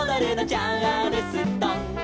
「チャールストン」